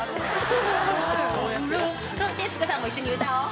徹子さんも一緒に歌おう。